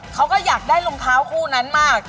เขาก็อยากได้รองเท้าคู่นั้นมาก